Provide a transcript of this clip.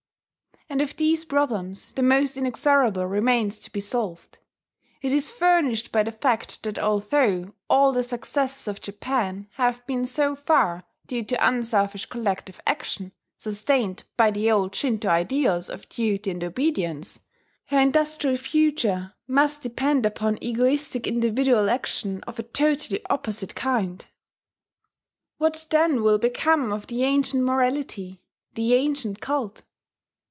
And of these problems the most inexorable remains to be solved. It is furnished by the fact that although all the successes of Japan have been so far due to unselfish collective action, sustained by the old Shinto ideals of duty and obedience, her industrial future must depend upon egoistic individual action of a totally opposite kind! What then will become of the ancient morality? the ancient cult?